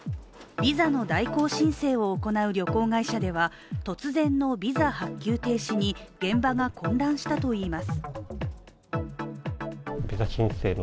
ビザの代行申請を行う旅行会社では突然のビザ発給停止に現場が混乱したといいます。